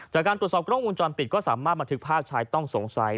จากการตรวจสอบกล้องวงจรปิดก็สามารถบันทึกภาพชายต้องสงสัย